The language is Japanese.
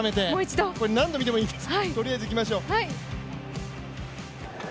何度見てもいいです。